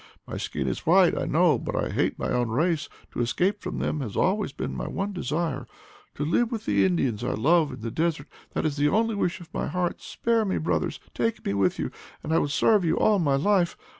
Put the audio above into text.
My skin is white, I know; but I hate my own race, to escape from them has always been my one desire. To live with the Indians I love, in the desert, that is the only wish of my heart. Spare me, brothers, take me with you, and I will serve you all my life.